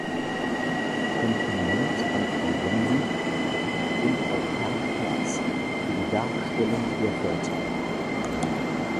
Kompliment an Frau Jensen und auch Herrn Kallas für die Darstellung der Vorteile.